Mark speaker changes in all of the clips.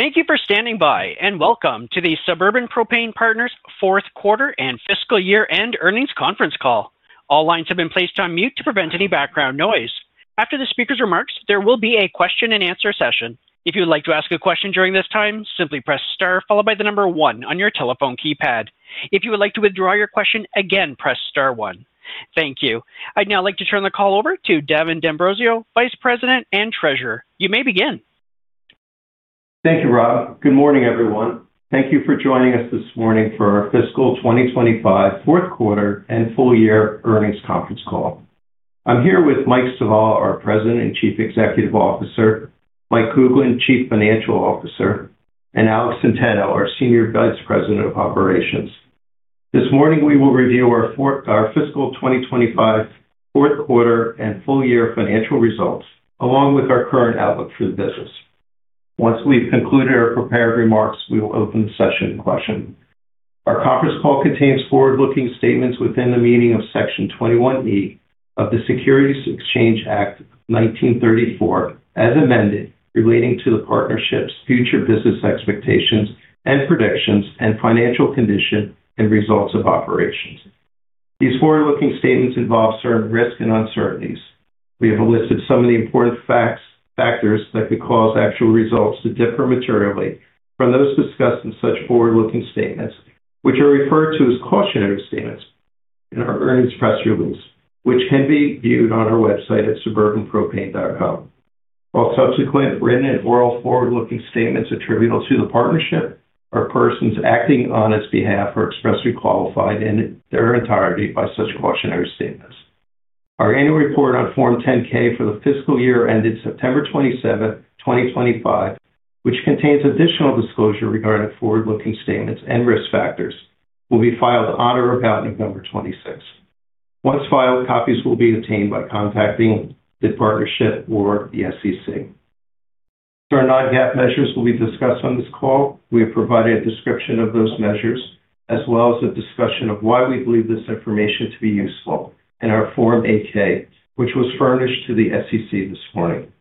Speaker 1: Thank you for standing by, and welcome to the Suburban Propane Partners fourth quarter and fiscal year-end earnings conference call. All lines have been placed on mute to prevent any background noise. After the speaker's remarks, there will be a question-and-answer session. If you would like to ask a question during this time, simply press star followed by the number one on your telephone keypad. If you would like to withdraw your question again, press star one. Thank you. I'd now like to turn the call over to Davin D'Ambrosio, Vice President and Treasurer. You may begin.
Speaker 2: Thank you, Rob. Good morning, everyone. Thank you for joining us this morning for our fiscal 2025 fourth quarter and full-year earnings conference call. I'm here with Mike Stivala, our President and Chief Executive Officer; Mike Kuglin, Chief Financial Officer; and Alex Centeno, our Senior Vice President of Operations. This morning, we will review our fiscal 2025 fourth quarter and full-year financial results, along with our current outlook for the business. Once we've concluded our prepared remarks, we will open the session to questions. Our conference call contains forward-looking statements within the meaning of Section 21(e) of the Securities Exchange Act 1934, as amended, relating to the partnership's future business expectations and predictions, and financial condition and results of operations. These forward-looking statements involve certain risks and uncertainties. We have enlisted some of the important factors that could cause actual results to differ materially from those discussed in such forward-looking statements, which are referred to as cautionary statements in our earnings press release, which can be viewed on our website at suburbanpropane.com. All subsequent written and oral forward-looking statements attributable to the partnership or persons acting on its behalf are expressly qualified in their entirety by such cautionary statements. Our annual report on Form 10-K for the fiscal year ended September 27, 2025, which contains additional disclosure regarding forward-looking statements and risk factors, will be filed on or about November 26. Once filed, copies will be obtained by contacting the partnership or the SEC. There are nine GAAP measures we'll be discussing on this call. We have provided a description of those measures, as well as a discussion of why we believe this information to be useful, and our Form 8-K, which was furnished to the SEC this morning.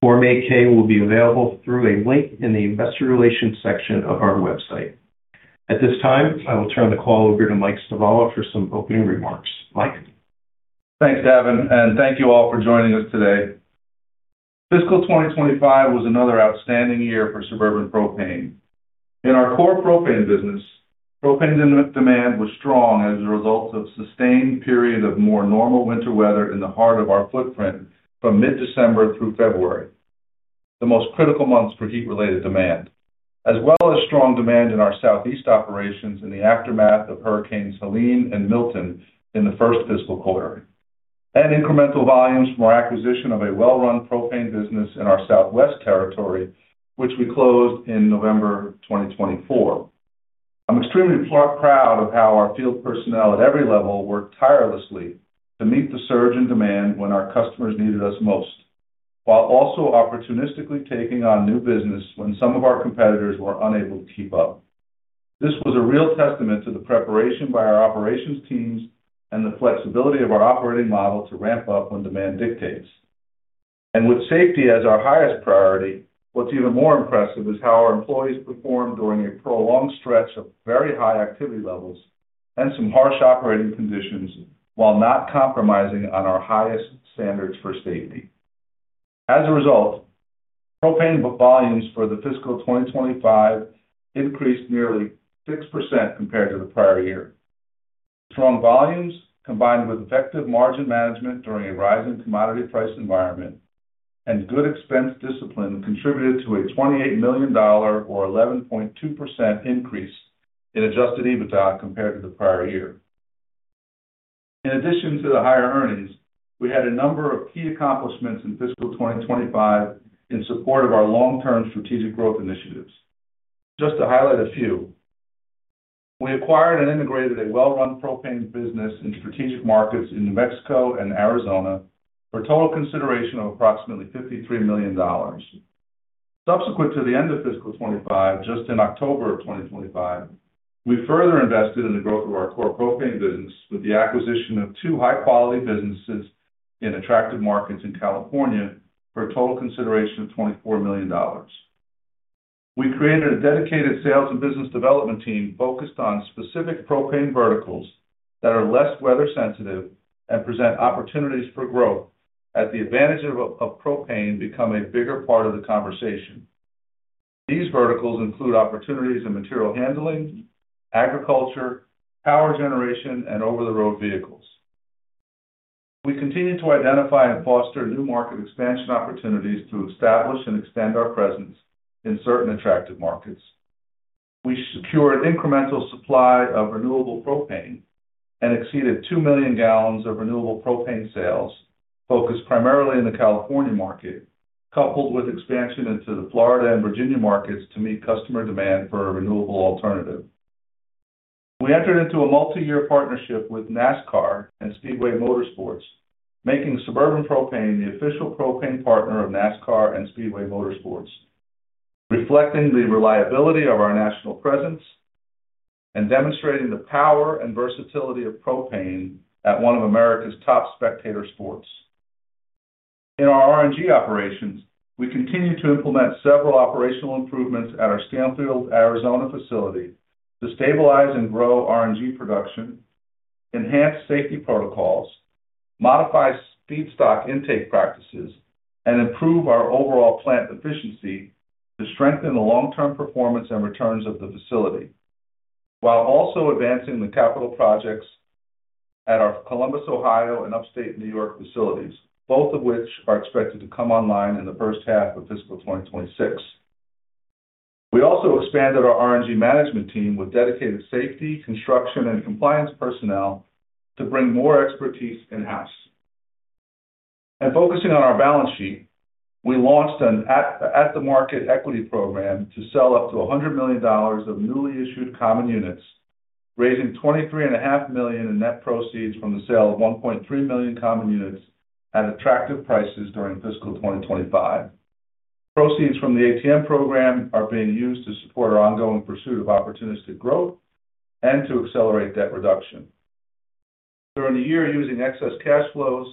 Speaker 2: Form 8-K will be available through a link in the investor relations section of our website. At this time, I will turn the call over to Mike Stivala for some opening remarks. Mike.
Speaker 3: Thanks, Davin, and thank you all for joining us today. Fiscal 2025 was another outstanding year for Suburban Propane. In our core propane business, propane demand was strong as a result of a sustained period of more normal winter weather in the heart of our footprint from mid-December through February, the most critical months for heat-related demand, as well as strong demand in our southeast operations in the aftermath of Hurricanes Helene and Milton in the first fiscal quarter, and incremental volumes from our acquisition of a well-run propane business in our southwest territory, which we closed in November 2024. I'm extremely proud of how our field personnel at every level worked tirelessly to meet the surge in demand when our customers needed us most, while also opportunistically taking on new business when some of our competitors were unable to keep up. This was a real testament to the preparation by our operations teams and the flexibility of our operating model to ramp up when demand dictates. With safety as our highest priority, what's even more impressive is how our employees performed during a prolonged stretch of very high activity levels and some harsh operating conditions while not compromising on our highest standards for safety. As a result, propane volumes for the fiscal 2025 increased nearly 6% compared to the prior year. Strong volumes, combined with effective margin management during a rising commodity price environment, and good expense discipline contributed to a $28 million, or 11.2%, increase in adjusted EBITDA compared to the prior year. In addition to the higher earnings, we had a number of key accomplishments in fiscal 2025 in support of our long-term strategic growth initiatives. Just to highlight a few, we acquired and integrated a well-run propane business in strategic markets in New Mexico and Arizona for a total consideration of approximately $53 million. Subsequent to the end of fiscal 2025, just in October of 2025, we further invested in the growth of our core propane business with the acquisition of two high-quality businesses in attractive markets in California for a total consideration of $24 million. We created a dedicated sales and business development team focused on specific propane verticals that are less weather-sensitive and present opportunities for growth, as the advantages of propane become a bigger part of the conversation. These verticals include opportunities in material handling, agriculture, power generation, and over-the-road vehicles. We continue to identify and foster new market expansion opportunities to establish and extend our presence in certain attractive markets. We secured incremental supply of renewable propane and exceeded 2 million gallons of renewable propane sales, focused primarily in the California market, coupled with expansion into the Florida and Virginia markets to meet customer demand for a renewable alternative. We entered into a multi-year partnership with NASCAR and Speedway Motorsports, making Suburban Propane the official propane partner of NASCAR and Speedway Motorsports, reflecting the reliability of our national presence and demonstrating the power and versatility of propane at one of America's top spectator sports. In our R&G operations, we continue to implement several operational improvements at our Stanfield, Arizona facility to stabilize and grow R&G production, enhance safety protocols, modify feedstock intake practices, and improve our overall plant efficiency to strengthen the long-term performance and returns of the facility, while also advancing the capital projects at our Columbus, Ohio, and upstate New York facilities, both of which are expected to come online in the first half of fiscal 2026. We also expanded our R&G management team with dedicated safety, construction, and compliance personnel to bring more expertise in-house. Focusing on our balance sheet, we launched an at-the-market equity program to sell up to $100 million of newly issued common units, raising $23.5 million in net proceeds from the sale of 1.3 million common units at attractive prices during fiscal 2025. Proceeds from the ATM program are being used to support our ongoing pursuit of opportunistic growth and to accelerate debt reduction. During the year, using excess cash flows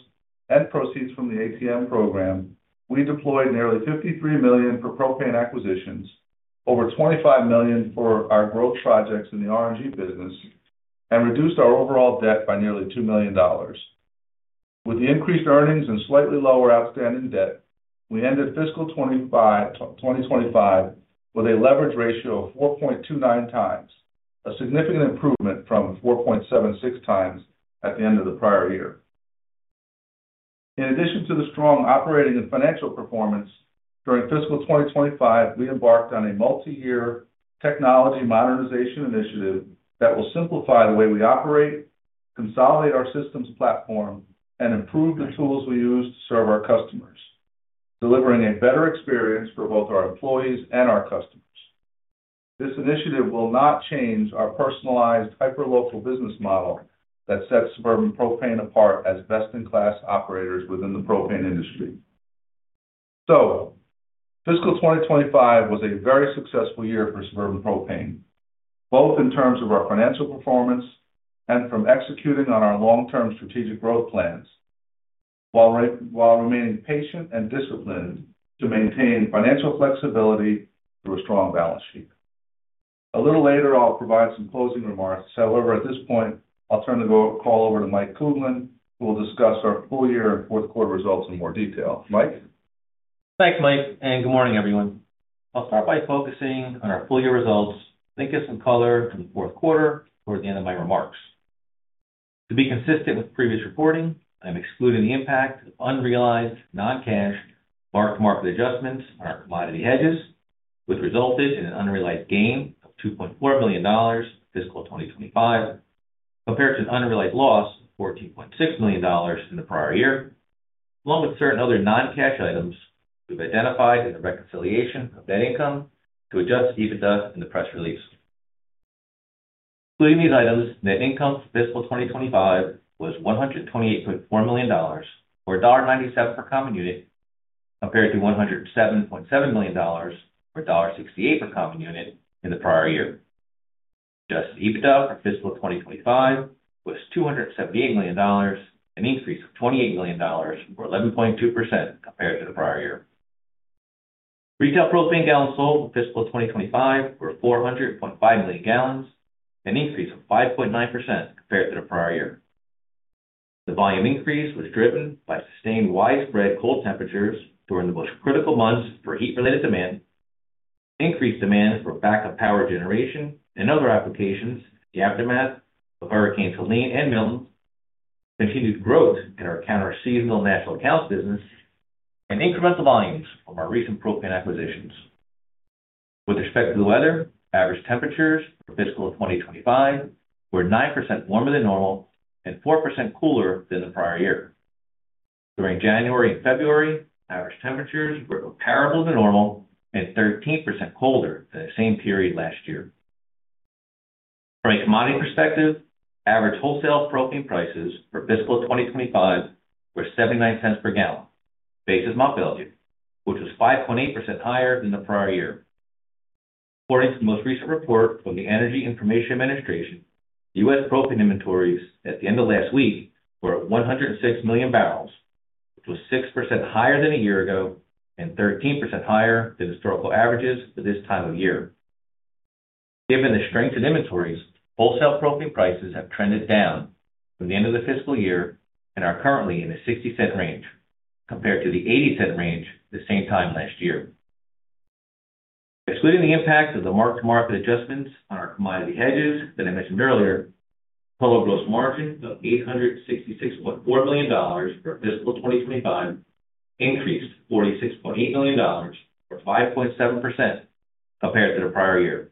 Speaker 3: and proceeds from the ATM program, we deployed nearly $53 million for propane acquisitions, over $25 million for our growth projects in the RNG business, and reduced our overall debt by nearly $2 million. With the increased earnings and slightly lower outstanding debt, we ended fiscal 2025 with a leverage ratio of 4.29x, a significant improvement from 4.76x at the end of the prior year. In addition to the strong operating and financial performance, during fiscal 2025, we embarked on a multi-year technology modernization initiative that will simplify the way we operate, consolidate our systems platform, and improve the tools we use to serve our customers, delivering a better experience for both our employees and our customers. This initiative will not change our personalized hyperlocal business model that sets Suburban Propane apart as best-in-class operators within the propane industry. Fiscal 2025 was a very successful year for Suburban Propane, both in terms of our financial performance and from executing on our long-term strategic growth plans, while remaining patient and disciplined to maintain financial flexibility through a strong balance sheet. A little later, I'll provide some closing remarks. However, at this point, I'll turn the call over to Mike Kuglin, who will discuss our full-year and fourth quarter results in more detail. Mike.
Speaker 4: Thanks, Mike, and good morning, everyone. I'll start by focusing on our full-year results, link us in color in the fourth quarter toward the end of my remarks. To be consistent with previous reporting, I'm excluding the impact of unrealized non-cash mark-to-market adjustments on our commodity hedges, which resulted in an unrealized gain of $2.4 million in fiscal 2025, compared to an unrealized loss of $14.6 million in the prior year, along with certain other non-cash items we've identified in the reconciliation of net income to Adjusted EBITDA in the press release. Including these items, net income for fiscal 2025 was $128.4 million, or $1.97 per common unit, compared to $107.7 million, or $1.68 per common unit in the prior year. Adjusted EBITDA for fiscal 2025 was $278 million, an increase of $28 million, or 11.2%, compared to the prior year. Retail propane gallons sold for fiscal 2025 were 400.5 million gallons, an increase of 5.9% compared to the prior year. The volume increase was driven by sustained widespread cold temperatures during the most critical months for heat-related demand, increased demand for backup power generation and other applications in the aftermath of Hurricanes Helene and Milton, continued growth in our counter-seasonal national accounts business, and incremental volumes from our recent propane acquisitions. With respect to the weather, average temperatures for fiscal 2025 were 9% warmer than normal and 4% cooler than the prior year. During January and February, average temperatures were comparable to normal and 13% colder than the same period last year. From a commodity perspective, average wholesale propane prices for fiscal 2025 were $0.79 per gallon, based at Mont Belvieu, which was 5.8% higher than the prior year. According to the most recent report from the Energy Information Administration, U.S. propane inventories at the end of last week were at 106 million barrels, which was 6% higher than a year ago and 13% higher than historical averages for this time of year. Given the strength of inventories, wholesale propane prices have trended down from the end of the fiscal year and are currently in the $0.60 range, compared to the $0.80 range at the same time last year. Excluding the impact of the mark-to-market adjustments on our commodity hedges that I mentioned earlier, total gross margin of $866.4 million for fiscal 2025 increased $46.8 million, or 5.7%, compared to the prior year,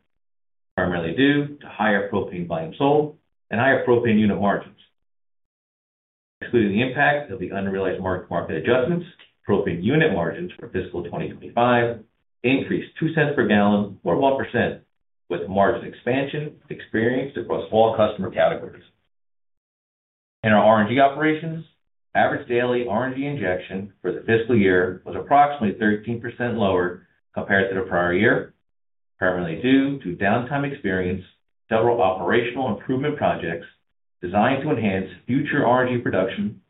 Speaker 4: primarily due to higher propane volumes sold and higher propane unit margins. Excluding the impact of the unrealized mark-to-market adjustments, propane unit margins for fiscal 2025 increased 2 cents per gallon, or 1%, with margin expansion experienced across all customer categories. In our RNG operations, average daily RNG injection for the fiscal year was approximately 13% lower compared to the prior year, primarily due to downtime experienced, several operational improvement projects designed to enhance future RNG production,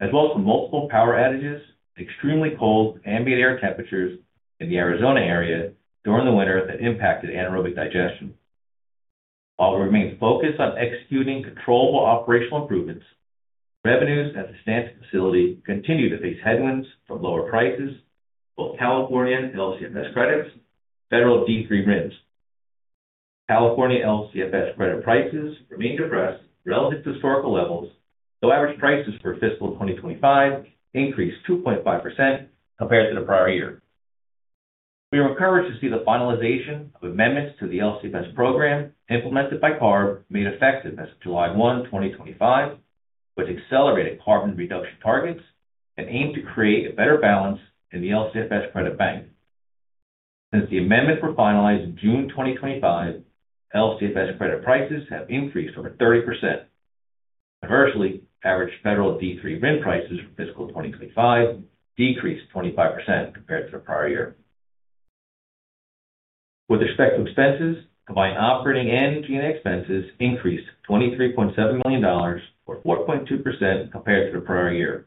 Speaker 4: as well as the multiple power outages and extremely cold ambient air temperatures in the Arizona area during the winter that impacted anaerobic digestion. While we remain focused on executing controllable operational improvements, revenues at the Stanfield facility continue to face headwinds from lower prices, both California LCFS credits and federal D3 RINs. California LCFS credit prices remain depressed relative to historical levels, though average prices for fiscal 2025 increased 2.5% compared to the prior year. We were encouraged to see the finalization of amendments to the LCFS program implemented by CARB made effective as of July 1, 2025, which accelerated carbon reduction targets and aimed to create a better balance in the LCFS credit bank. Since the amendments were finalized in June 2025, LCFS credit prices have increased over 30%. Conversely, average federal D3 RIN prices for fiscal 2025 decreased 25% compared to the prior year. With respect to expenses, combined operating and energy and expenses increased $23.7 million, or 4.2%, compared to the prior year.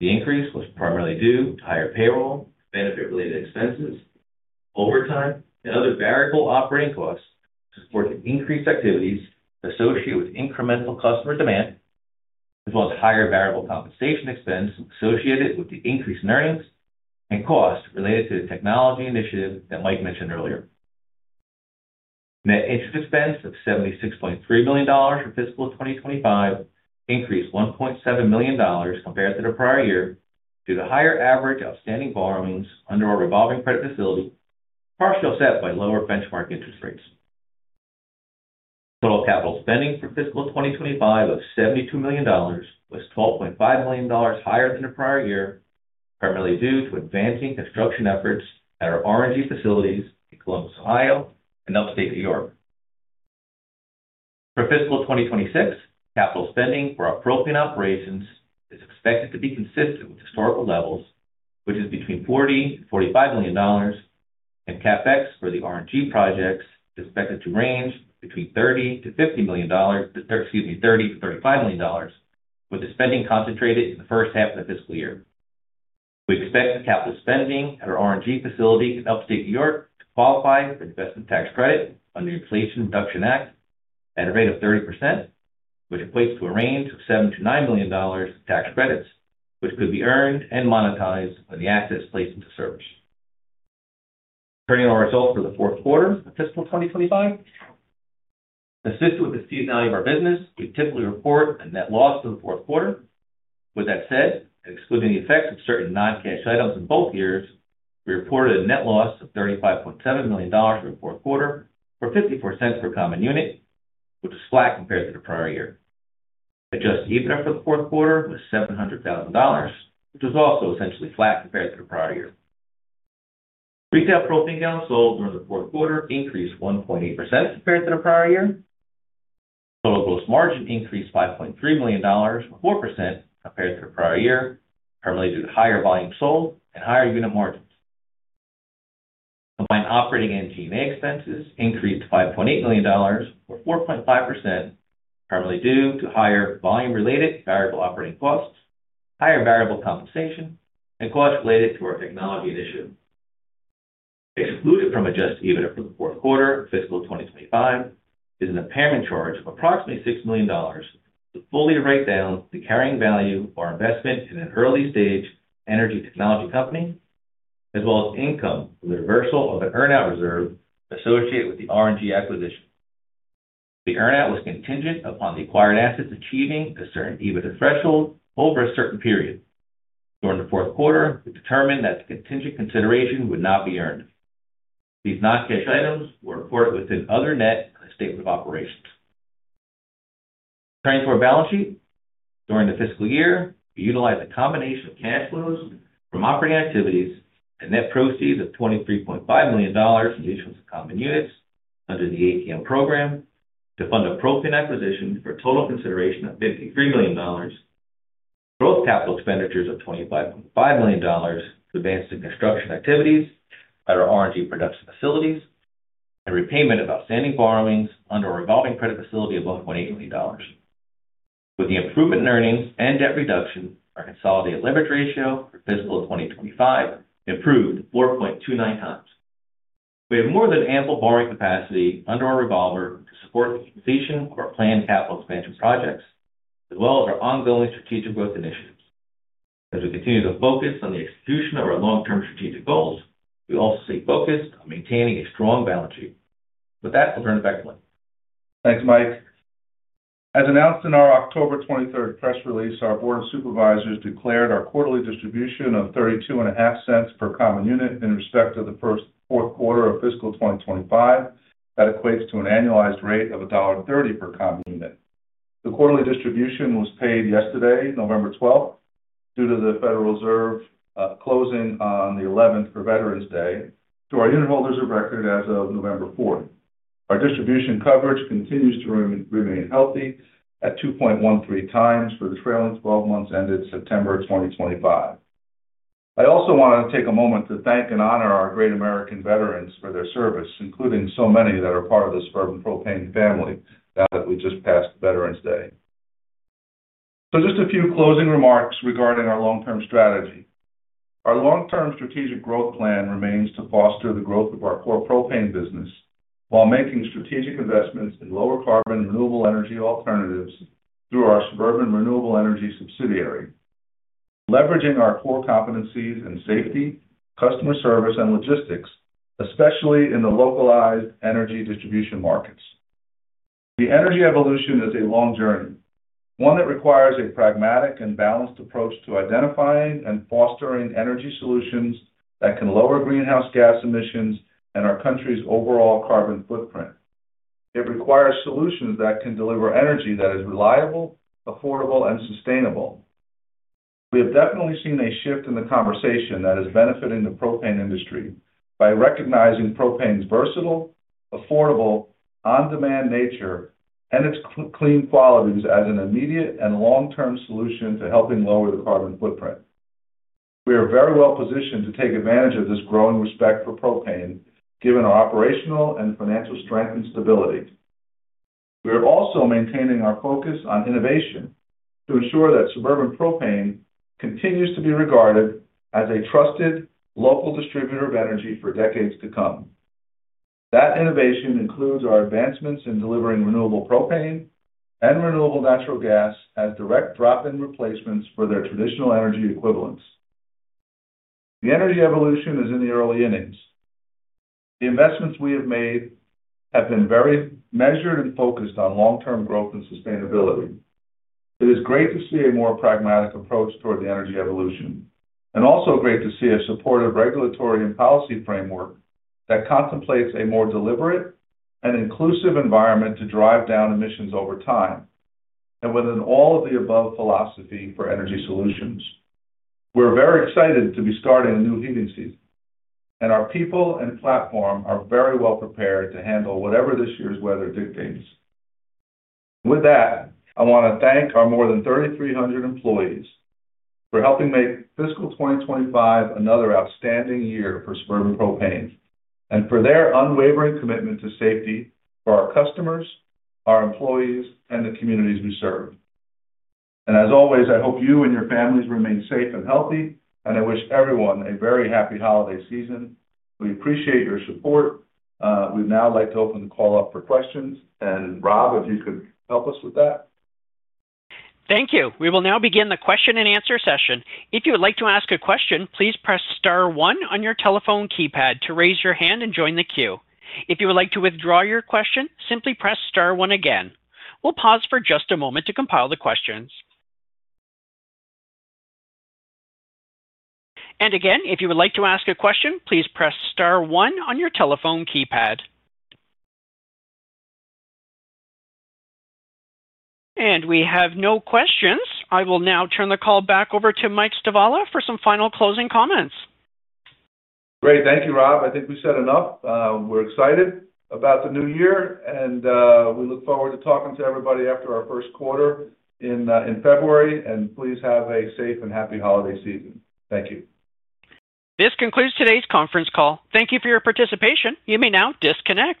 Speaker 4: The increase was primarily due to higher payroll, benefit-related expenses, overtime, and other variable operating costs to support the increased activities associated with incremental customer demand, as well as higher variable compensation expense associated with the increase in earnings and costs related to the technology initiative that Mike mentioned earlier. Net interest expense of $76.3 million for fiscal 2025 increased $1.7 million compared to the prior year due to higher average outstanding borrowings under our revolving credit facility, partially offset by lower benchmark interest rates. Total capital spending for fiscal 2025 of $72 million was $12.5 million higher than the prior year, primarily due to advancing construction efforts at our RNG facilities in Columbus, Ohio, and upstate New York. For fiscal 2026, capital spending for our propane operations is expected to be consistent with historical levels, which is between $40 million-$45 million, and CapEx for the RNG projects is expected to range between $30 million-$35 million, with the spending concentrated in the first half of the fiscal year. We expect the capital spending at our RNG facility in upstate New York to qualify for investment tax credit under Inflation Reduction Act at a rate of 30%, which equates to a range of $7 million-$9 million in tax credits, which could be earned and monetized when the asset is placed into service. Turning to our results for the fourth quarter of fiscal 2025, assisted with the seasonality of our business, we typically report a net loss for the fourth quarter. With that said, and excluding the effects of certain non-cash items in both years, we reported a net loss of $35.7 million for the fourth quarter, or $0.54 per common unit, which was flat compared to the prior year. Adjusted EBITDA for the fourth quarter was $700,000, which was also essentially flat compared to the prior year. Retail propane gallons sold during the fourth quarter increased 1.8% compared to the prior year. Total gross margin increased $5.3 million, or 4%, compared to the prior year, primarily due to higher volume sold and higher unit margins. Combined operating and GMA expenses increased to $5.8 million, or 4.5%, primarily due to higher volume-related variable operating costs, higher variable compensation, and costs related to our technology initiative. Excluded from adjusted EBITDA for the fourth quarter of fiscal 2025 is an impairment charge of approximately $6 million to fully write down the carrying value of our investment in an early-stage energy technology company, as well as income from the reversal of an earn-out reserve associated with the R&G acquisition. The earn-out was contingent upon the acquired assets achieving a certain EBITDA threshold over a certain period. During the fourth quarter, we determined that the contingent consideration would not be earned. These non-cash items were reported within other net and statement of operations. Turning to our balance sheet, during the fiscal year, we utilized a combination of cash flows from operating activities and net proceeds of $23.5 million from mutuals and common units under the ATM program to fund a propane acquisition for a total consideration of $53 million, with gross capital expenditures of $25.5 million to advance the construction activities at our RNG production facilities and repayment of outstanding borrowings under our revolving credit facility of $1.8 million. With the improvement in earnings and debt reduction, our consolidated leverage ratio for fiscal 2025 improved 4.29x. We have more than ample borrowing capacity under our revolver to support the completion of our planned capital expansion projects, as well as our ongoing strategic growth initiatives. As we continue to focus on the execution of our long-term strategic goals, we also stay focused on maintaining a strong balance sheet. With that, we'll turn it back to Mike.
Speaker 3: Thanks, Mike. As announced in our October 23rd press release, our board of supervisors declared our quarterly distribution of $0.325 per common unit in respect of the first fourth quarter of fiscal 2025. That equates to an annualized rate of $1.30 per common unit. The quarterly distribution was paid yesterday, November 12th, due to the Federal Reserve closing on the 11th for Veterans Day, to our unit holders of record as of November 4th. Our distribution coverage continues to remain healthy at 2.13x for the trailing 12 months ended September 2025. I also want to take a moment to thank and honor our great American veterans for their service, including so many that are part of the Suburban Propane family now that we just passed Veterans Day. So just a few closing remarks regarding our long-term strategy. Our long-term strategic growth plan remains to foster the growth of our core propane business while making strategic investments in lower carbon renewable energy alternatives through our Suburban Renewable Energy subsidiary, leveraging our core competencies in safety, customer service, and logistics, especially in the localized energy distribution markets. The energy evolution is a long journey, one that requires a pragmatic and balanced approach to identifying and fostering energy solutions that can lower greenhouse gas emissions and our country's overall carbon footprint. It requires solutions that can deliver energy that is reliable, affordable, and sustainable. We have definitely seen a shift in the conversation that is benefiting the propane industry by recognizing propane's versatile, affordable, on-demand nature, and its clean qualities as an immediate and long-term solution to helping lower the carbon footprint. We are very well positioned to take advantage of this growing respect for propane, given our operational and financial strength and stability. We are also maintaining our focus on innovation to ensure that Suburban Propane continues to be regarded as a trusted local distributor of energy for decades to come. That innovation includes our advancements in delivering renewable propane and renewable natural gas as direct drop-in replacements for their traditional energy equivalents. The energy evolution is in the early innings. The investments we have made have been very measured and focused on long-term growth and sustainability. It is great to see a more pragmatic approach toward the energy evolution, and also great to see a supportive regulatory and policy framework that contemplates a more deliberate and inclusive environment to drive down emissions over time, and within all of the above philosophy for energy solutions. We're very excited to be starting a new heating season, and our people and platform are very well prepared to handle whatever this year's weather dictates. With that, I want to thank our more than 3,300 employees for helping make fiscal 2025 another outstanding year for Suburban Propane, and for their unwavering commitment to safety for our customers, our employees, and the communities we serve. I hope you and your families remain safe and healthy, and I wish everyone a very happy holiday season. We appreciate your support. We'd now like to open the call up for questions. Rob, if you could help us with that.
Speaker 1: Thank you. We will now begin the question-and-answer session. If you would like to ask a question, please press star one on your telephone keypad to raise your hand and join the queue. If you would like to withdraw your question, simply press star one again. We'll pause for just a moment to compile the questions. If you would like to ask a question, please press star one on your telephone keypad. We have no questions. I will now turn the call back over to Mike Stivala for some final closing comments.
Speaker 3: Great. Thank you, Rob. I think we said enough. We're excited about the new year, and we look forward to talking to everybody after our first quarter in February. Please have a safe and happy holiday season. Thank you.
Speaker 1: This concludes today's conference call. Thank you for your participation. You may now disconnect.